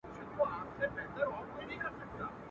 هر ځای شړکنده باران راپسي ګرځي !.